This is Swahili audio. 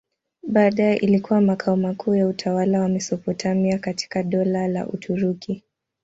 Baadaye ilikuwa makao makuu ya utawala wa Mesopotamia katika Dola la Uturuki.